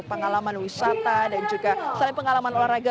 pengalaman wisata dan juga saling pengalaman olahraga